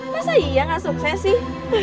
masa iya gak sukses sih